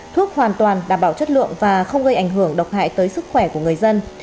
thuốc hoàn toàn đảm bảo chất lượng và không gây ảnh hưởng độc hại tới sức khỏe của người dân